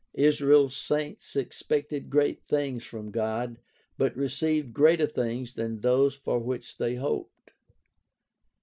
Israel's saints expected great things from God, but received greater things than those for which they hoped.